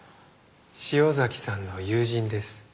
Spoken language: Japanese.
潮崎さんの友人です。